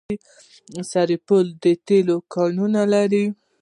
سرپل د تیلو کانونه لري